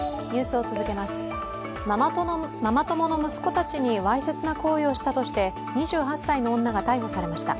ママ友の息子たちにわいせつな行為をしたとして２８歳の女が逮捕されました。